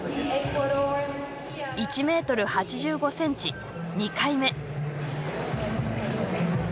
１ｍ８５ｃｍ、２回目。